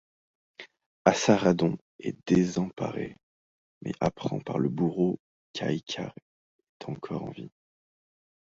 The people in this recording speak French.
Assarhaddon est désemparé mais apprend par le bourreau qu'Ahiqar est encore en vie.